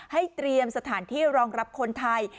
เตรียมสถานที่รองรับคนไทย